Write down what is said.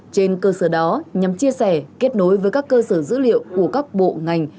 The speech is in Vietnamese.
trên cơ sở đó nhằm chia sẻ kết nối với các cơ sở dữ liệu của các bộ ngành